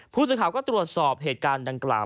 ผู้สื่อข่าวก็ตรวจสอบเหตุการณ์ดังกล่าว